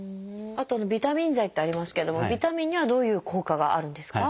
あとビタミン剤ってありますけどもビタミンにはどういう効果があるんですか？